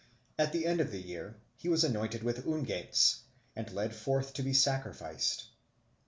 At the end of the year he was anointed with unguents and led forth to be sacrificed.